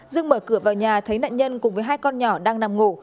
dương mở cửa vào nhà thấy nạn nhân cùng với hai con nhỏ đang nằm ngủ